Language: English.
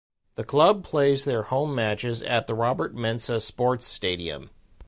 The club plays their home matches at the Robert Mensah Sports Stadium.